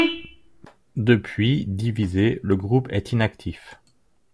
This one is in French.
Depuis, divisé, le groupe est inactif.